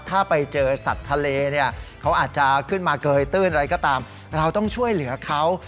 ถ้าไปเจอสัตว์ทะเลเนี่ยเขาอาจจะขึ้นมาเกยตื้นอะไรก็ตามเราต้องช่วยเหลือเขา